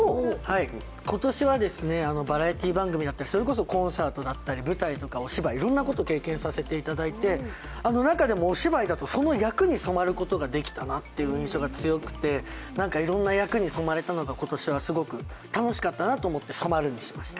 今年はバラエティ番組だったりそれこそコンサートだったり舞台とかお芝居、いろんなことを経験させていただいて中でもお芝居だとその役に染まることができたなという印象が強くていろんな役に染まれたのが今年はすごく楽しかったなと思って「染」にしました。